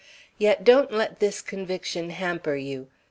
Yet don't let this conviction hamper you.